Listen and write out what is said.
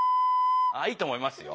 いいと思いますよ。